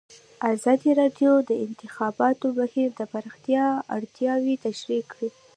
ازادي راډیو د د انتخاباتو بهیر د پراختیا اړتیاوې تشریح کړي.